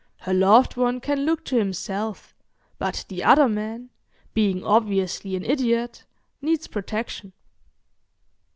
Her loved one can look to himself, but the other man, being obviously an idiot, needs protection.